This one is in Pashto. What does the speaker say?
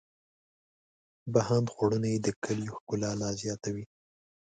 بهاند خوړونه یې د کلیو ښکلا لا زیاتوي.